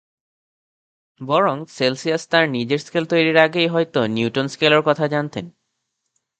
বরং সেলসিয়াস তার নিজের স্কেল তৈরির আগেই হয়তো নিউটন স্কেলের কথা জানতেন।